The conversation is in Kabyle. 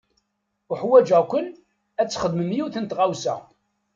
Uḥwaǧeɣ-ken ad txedmem yiwet n tɣawsa.